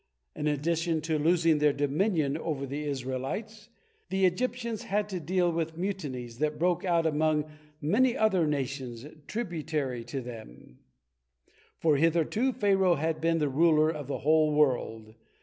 In addition to losing their dominion over the Israelites, the Egyptians had to deal with mutinies that broke out among many other nations tributary to them, for hitherto Pharaoh had been the ruler of the whole world.